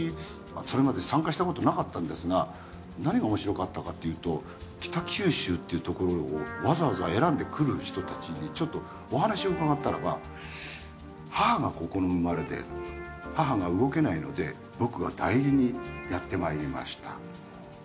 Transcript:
それまで参加したことなかったんですが何がおもしろかったかっていうと北九州っていうところをわざわざ選んで来る人たちにちょっとお話を伺ったらば母がここの生まれで母が動けないので僕が代理にやってまいりました。